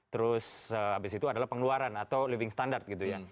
terus habis itu adalah pengeluaran atau living standard gitu ya